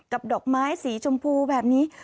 ดอกไม้สีชมพูแบบนี้